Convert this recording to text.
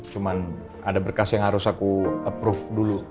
cuma ada berkas yang harus aku approve dulu